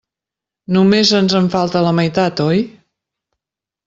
Només ens en falta la meitat, oi?